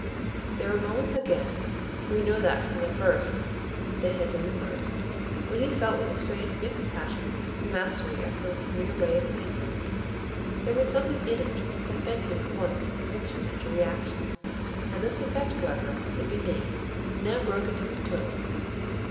There were moments again we know that from the first they had been numerous when he felt with a strange mixed passion the mastery of her mere way of putting things. There was something in it that bent him at once to conviction and to reaction. And this effect, however it be named, now broke into his tone.